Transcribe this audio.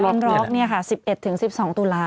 ไลออนล็อกเนี่ยค่ะ๑๑ถึง๑๒ตุลาฯ